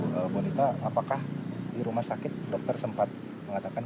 bu bonita apakah di rumah sakit dokter sempat mengatakan